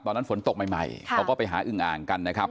ตอนนั้นฝนตกใหม่เขาก็ไปหาอึงอ่างกันนะครับ